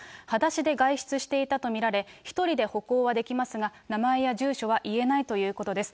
裸足で外出していたと見られ、１人で歩行はできますが、名前や住所は言えないということです。